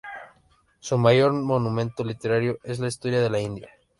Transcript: Su mayor monumento literario es la "Historia de la India".